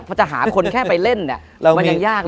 พอจะหาคนแค่ไปเล่นมันยังยากเลย